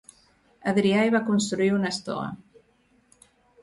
Adrià hi va construir una estoa.